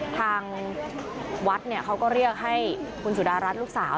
ทางวัดเขาก็เรียกให้คุณสุดารัฐลูกสาว